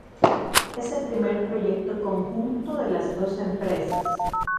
Es el primer proyecto conjunto de las dos empresas.